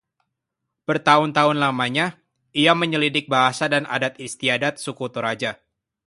bertahun-tahun lamanya ia menyelidik bahasa dan adat istiadat suku Toraja